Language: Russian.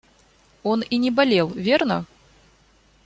Он и не болел, верно?